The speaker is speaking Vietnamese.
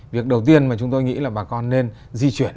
việc đầu tiên mà chúng tôi nghĩ là bà con nên di chuyển